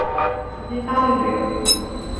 直接搭就对了